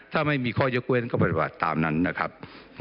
ถ้าไม่มีข้อยกเว้นก็ปฏิบัติตามนั้นนะครับ